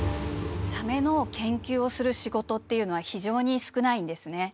サメの研究をする仕事っていうのは非常に少ないんですね。